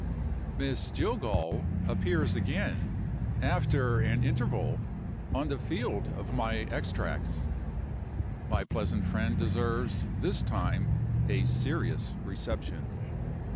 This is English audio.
Miss Jillgall appears again, after an interval, on the field of my extracts. My pleasant friend deserves this time a serious reception.